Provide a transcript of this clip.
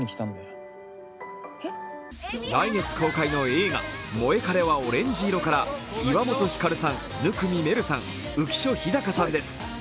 来月公開の映画「モエカレはオレンジ色」から岩本照さん、生見愛瑠さん、浮所飛貴さんです。